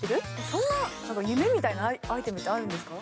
そんな夢みたいなアイテムってあるんですか？